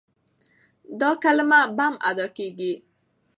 دا کلمه بم ادا کېږي.